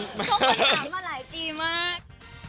เพราะมันถามมาหลายปีมาก